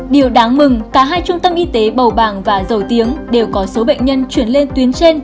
điều đáng mừng cả hai trung tâm y tế bầu bàng và dầu tiếng đều có số bệnh nhân chuyển lên tuyến trên